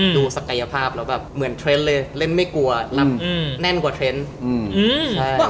ดูศักยภาพเหมือนเทรนด์เลยเล่นไม่กลัวรับแน่นกว่าเทรนด์